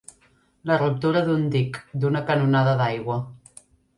La ruptura d'un dic, d'una canonada d'aigua.